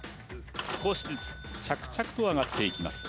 少しずつ着々と上がっていきます